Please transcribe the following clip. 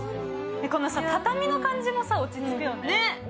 畳の感じも落ち着くよね。